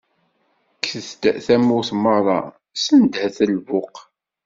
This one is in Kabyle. Kket-d tamurt meṛṛa, sendeht lbuq.